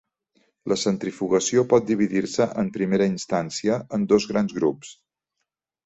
La centrifugació pot dividir-se en primera instància en dos grans grups: